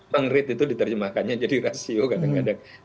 bank rate itu diterjemahkannya jadi rasio kadang kadang